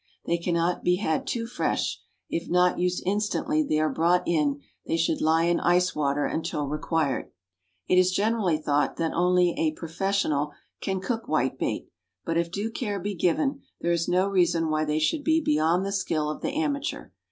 They cannot be had too fresh; if not used instantly they are brought in, they should lie in ice water until required. It is generally thought that only a "professional" can cook whitebait, but if due care be given there is no reason why they should be beyond the skill of the amateur.